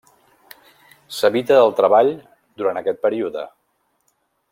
S'evita el treball durant aquest període.